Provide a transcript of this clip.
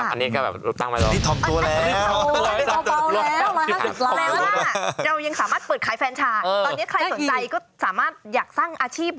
ปีที่แล้ว๑๐๐ล้านครับ